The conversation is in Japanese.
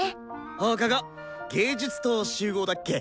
放課後芸術棟集合だっけ？